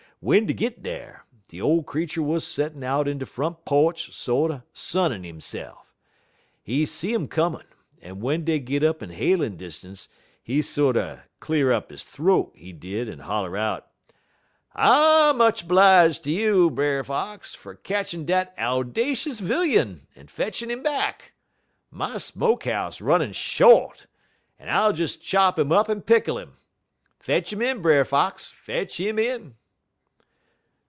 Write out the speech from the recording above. "W'en dey git dar, de ole creetur wuz settin' out in de front po'ch sorter sunnin' hisse'f. He see um comin', en w'en dey git up in hailin' distance, he sorter cle'r up he th'oat, he did, en holler out: "'I much 'blije to you, Brer Fox, fer ketchin' dat owdashus vilyun en fetchin' 'im back. My smoke 'ouse runnin' short, en I'll des chop 'im up en pickle 'im. Fetch 'im in, Brer Fox! fetch 'im in!'